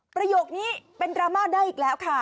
ประโยคนี้เป็นดราม่าได้อีกแล้วค่ะ